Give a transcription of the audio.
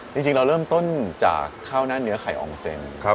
จริงเราเริ่มต้นจากข้าวหน้าเนื้อไข่อองเซน